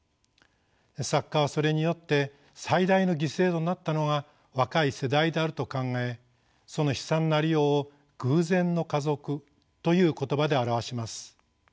作家はそれによって最大の犠牲となったのが若い世代であると考えその悲惨なありようを偶然の家族という言葉で表します。